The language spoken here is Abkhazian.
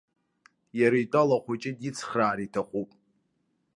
Иара итәала ахәыҷы дицхраар иҭахуп.